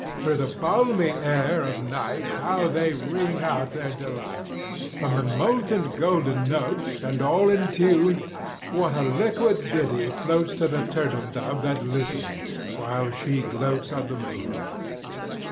Through the balmy air of night How they ring out their delight!— From the molten golden notes, And all in tune, What a liquid ditty floats To the turtle dove that listens, while she gloats On the moon!